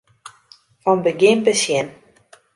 Fan begjin besjen.